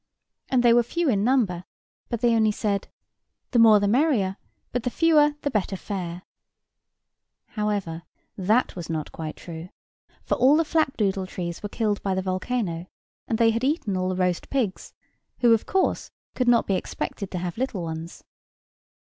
And they were few in number: but they only said, The more the merrier, but the fewer the better fare. However, that was not quite true; for all the flapdoodle trees were killed by the volcano, and they had eaten all the roast pigs, who, of course, could not be expected to have little ones.